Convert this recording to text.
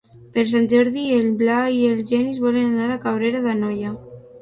Per Sant Jordi en Blai i en Genís volen anar a Cabrera d'Anoia.